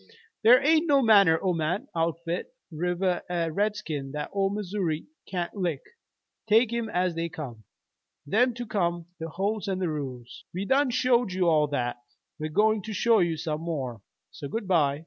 Thar hain't no manner o' man, outfit, river er redskin that Ole Missoury kain't lick, take 'em as they come, them to name the holts an' the rules. We done showed you all that. We're goin' to show you some more. So good by."